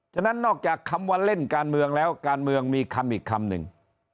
ฉะนั้นนอกจากคำว่าเล่นการเมืองแล้วการเมืองมีคำอีกคำหนึ่ง